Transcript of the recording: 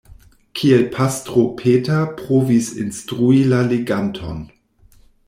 Kiel pastro Peter provis instrui la leganton.